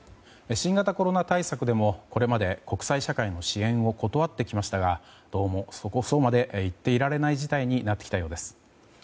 新型コロナ対策でもこれまで国際社会の支援を断ってきましたがどうもそうは言っていられない事態になってきたようです。